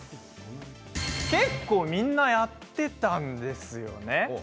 結構みんなやっていたんですよね。